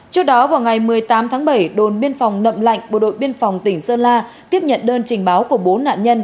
trước đó vào ngày một mươi tám tháng bảy đồn biên phòng nậm lạnh bộ đội biên phòng tỉnh sơn la tiếp nhận đơn trình báo của bốn nạn nhân